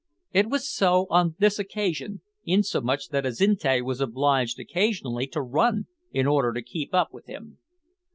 It was so on this occasion, insomuch that Azinte was obliged occasionally to run in order to keep up with him.